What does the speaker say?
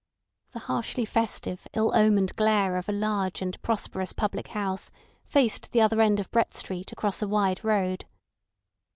The harshly festive, ill omened glare of a large and prosperous public house faced the other end of Brett Street across a wide road.